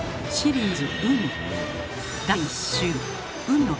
シリーズ「海」。